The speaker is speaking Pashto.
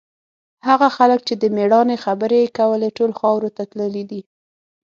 هغه خلک چې د مېړانې خبرې یې کولې، ټول خاورو ته تللي دي.